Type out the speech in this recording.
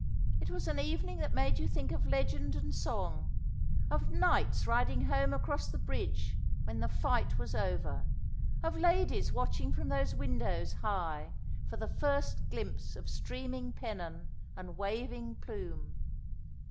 It was an evening that made you think of legend and song, of knights riding home across the bridge when the fight was over, of ladies watching from those windows high for the first glimpse of streaming pennon and waving plume.